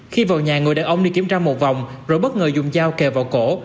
khi vào nhà người đàn ông đi kiểm tra một vòng rồi bất ngờ dùng dao kề vào cổ